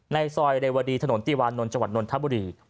ในซอยเรวดีถนนติวานนท์จังหวัดนนทบุรี